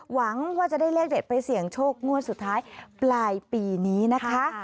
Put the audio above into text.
หวังว่าจะได้เลขเด็ดไปเสี่ยงโชคงวดสุดท้ายปลายปีนี้นะคะ